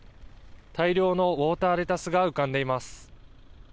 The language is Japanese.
大量のウオーターレタスが浮かんでいます。